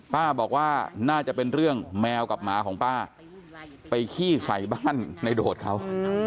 ป้าบอกว่าน่าจะเป็นเรื่องแมวกับหมาของป้าไปขี้ใส่บ้านในโดดเขา